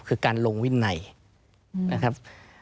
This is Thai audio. คือการลงวินัยนะครับ